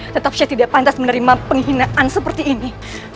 tetap saya tidak pantas menerima penghinaan seperti ini